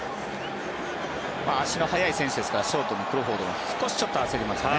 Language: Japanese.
足の速い選手ですからショートのクロフォードも少し焦りましたね。